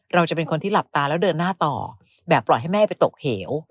เราจะเป็นคนที่หลับตาแล้วเดินหน้าต่อแบบปล่อยให้แม่ไปตกเหว